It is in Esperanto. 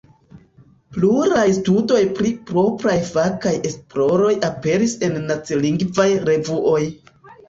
Pluraj studoj pri propraj fakaj esploroj aperis en nacilingvaj revuoj.